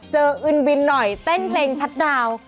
อึนบินหน่อยเต้นเพลงชัดดาวน์